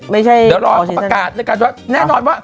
มันเต็ม